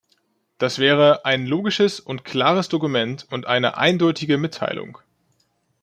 Das wäre ein logisches und klares Dokument und eine eindeutige Mitteilung.